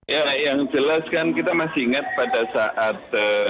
ya yang jelas kan kita masih ingat pada saat